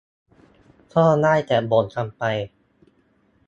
ก็ได้แต่บ่นกันไป